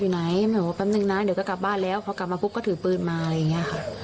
ไหนไม่บอกว่าแป๊บนึงนะเดี๋ยวก็กลับบ้านแล้วพอกลับมาปุ๊บก็ถือปืนมาอะไรอย่างนี้ค่ะ